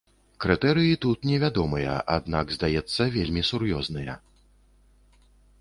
Крытэрыі тут не вядомыя, аднак, здаецца, вельмі сур'ёзныя.